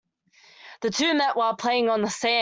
The two met while playing on the sand.